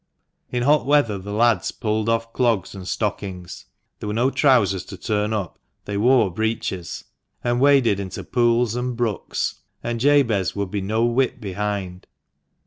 In hot weather the lads pulled off clogs and stockings (there were no trousers to turn up — they wore breeches), and waded into pools and brooks, and Jabez would be no whit behind.